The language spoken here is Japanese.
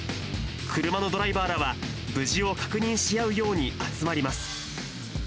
車のドライバーらは、無事を確認し合うように集まります。